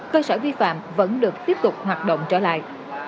cơ sở vi phạm vẫn được tiếp tục hoạt động trở lại